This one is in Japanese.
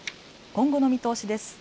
今後の見通しです。